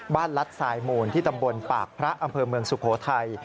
รัฐสายมูลที่ตำบลปากพระอำเภอเมืองสุโขทัย